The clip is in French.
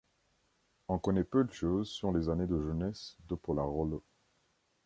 On connaît peu de choses sur les années de jeunesse de Pollarolo.